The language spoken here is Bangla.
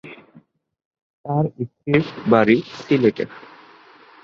তার স্ত্রীর বাড়ি সিলেটে।